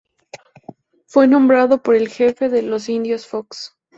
Fue nombrado por el jefe de los indios Fox.